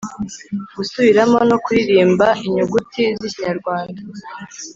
-gusubiramo no kuririmba inyuguti z’ikinyarwanda